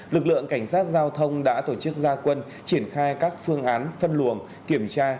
lực lượng cảnh sát giao thông đã tổ chức gia quân triển khai các phương án phân luồng kiểm tra